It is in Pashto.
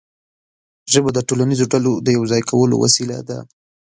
ژبه د ټولنیزو ډلو د یو ځای کولو وسیله ده.